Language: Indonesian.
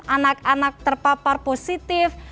anak anak terpapar positif